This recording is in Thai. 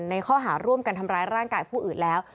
ในข้อหาร่วมกันทำร้ายร่างกายผู้อื่นแล้ว